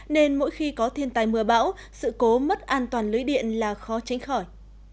nên mỗi khi có thiên tài mưa bão sự cố mất an toàn lưới điện là khó tránh khỏi